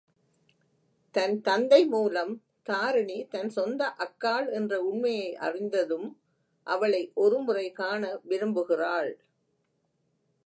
தன் தந்தை மூலம் தாரிணி தன் சொந்த அக்காள் என்ற உண்மையை அறிந்ததும், அவளை ஒருமுறை காண விரும்புகிறாள்.